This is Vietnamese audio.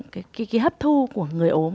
cái hấp thu của người ốm